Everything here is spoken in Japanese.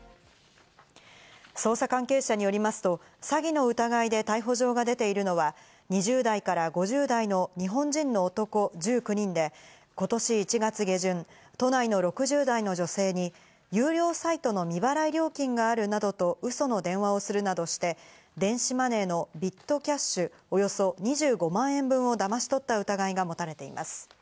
捜査関係者によりますと、詐欺の疑いで逮捕状が出ているのは２０代から５０代の日本人の男１９人で、今年１月下旬、都内の６０代の女性に有料サイトの未払い料金があるなどとウソの電話をするなどして、電子マネーのビットキャッシュおよそ２５万円分をだまし取った疑いがもたれています。